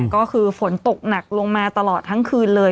ก็คือฝนตกหนักลงมาตลอดทั้งคืนเลย